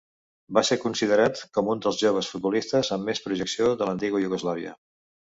Va ser considerat com d'un dels joves futbolistes amb més projecció a l'antiga Iugoslàvia.